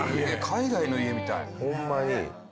海外の家みたい。